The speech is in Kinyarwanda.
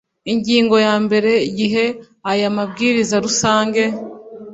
Ingingo ya mbere Igihe aya mabwiriza rusange